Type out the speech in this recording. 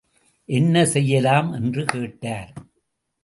என்ன செய்யலாம் என்று கேட்டார்.